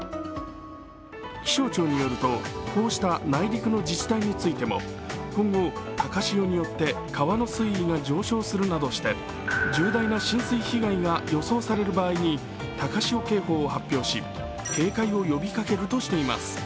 気象庁によると、こうした内陸の自治体についても今後、高潮によって川の水位が上昇するなどして重大な浸水被害が予想される場合に高潮警報を発表し警戒を呼びかけるとしています。